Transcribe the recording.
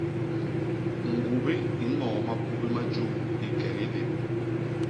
Ñgubi i ñoo mapubi ma juu i kegi lép.